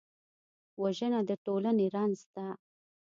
وژنه د ټولنې رنځ ده